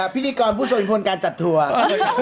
พฤษฐงเพราะผู้ทรงอิทธิพลการจัดทัวร์